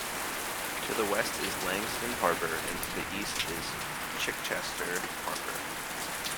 To the west is Langstone Harbour and to the east is Chichester Harbour.